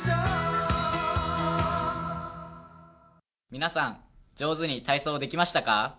皆さん上手に体操できましたか？